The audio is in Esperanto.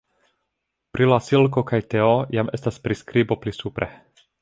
Pri la silko kaj teo jam estas priskribo pli supre.